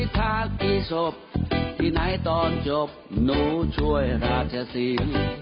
ที่ไหนตอนจบหนูช่วยราชศรี